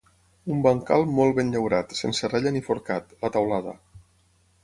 Un bancal molt ben llaurat, sense rella ni forcat: la teulada.